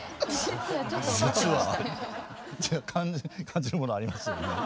感じるものありますよね。